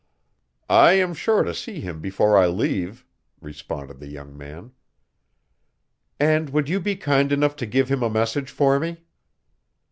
"I am sure to see him before I leave," responded the young man. "And would you be kind enough to give him a message for me?"